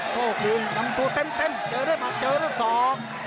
โต้คุณนำตัวเต็มเจอด้วยศอก